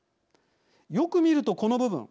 よく見るとこの部分。